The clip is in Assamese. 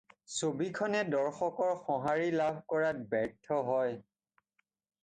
ছবিখনে দৰ্শকৰ সঁহাৰি লাভ কৰাত ব্যৰ্থ হয়।